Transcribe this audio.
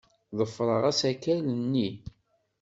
Ḍefreɣ asakal-nni.